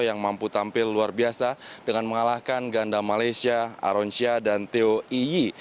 yang mampu tampil luar biasa dengan mengalahkan ganda malaysia aronsya dan theo iyi